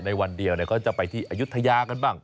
วันเดียวเขาจะไปที่อายุทยากันบ้าง